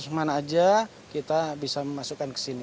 seseorang saja kita bisa memasukkan ke sini